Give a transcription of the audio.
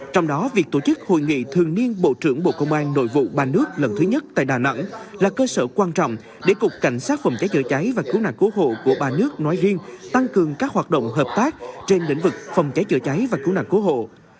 trong đó việc tổ chức hội nghị thường niên bộ trưởng bộ công an nội vụ ba nước lần thứ nhất tại đà nẵng là cơ sở quan trọng để cục cảnh sát phòng cháy chữa cháy và cứu nạn cứu hộ của ba nước nói riêng tăng cường các hoạt động hợp tác trên lĩnh vực phòng cháy chữa cháy và cứu nạn cứu hộ